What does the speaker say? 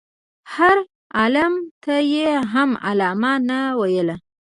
هر عالم ته یې هم علامه نه ویل.